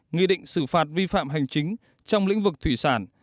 nghị định xử phạt vi phạm hành chính trong lĩnh vực thủy sản